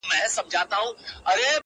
له خالي لوښي لوی اواز راوزي.